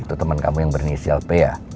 itu temen kamu yang berinisial p ya